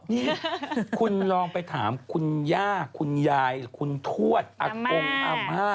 นี่คุณลองไปถามคุณย่าคุณยายคุณทวดอากงอาม่า